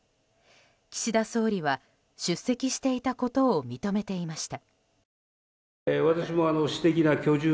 岸田総理は出席していたことを認めていました。